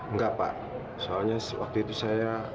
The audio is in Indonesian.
enggak pak soalnya waktu itu saya